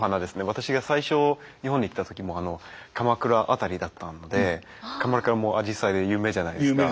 私が最初日本に来た時も鎌倉辺りだったので鎌倉もあじさいが有名じゃないですか。